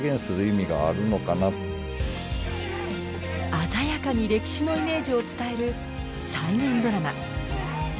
鮮やかに歴史のイメージを伝える再現ドラマ。